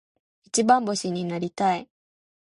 一番星になりたい。